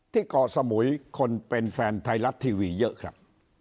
เกาะสมุยคนเป็นแฟนไทยรัฐทีวีเยอะครับ